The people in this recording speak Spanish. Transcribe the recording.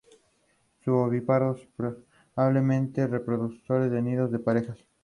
En la región de Marcas algunas casas se derrumbaron, informaron medios italianos.